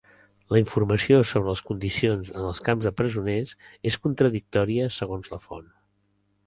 La informació sobre les condicions en els camps de presoners és contradictòria segons la font.